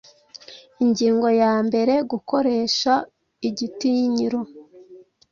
ingingo ya mbere gukoresha igitinyiro